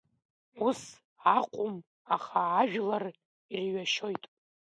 Ус акәым, аха ажәлар ирҩашьоит.